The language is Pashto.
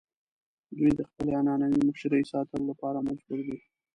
دوی د خپلې عنعنوي مشرۍ ساتلو لپاره مجبور دي.